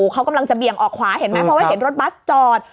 เขากำลังจะเบี่ยงออกขวาเห็นไหมเพราะว่าเห็นรถบัสจอด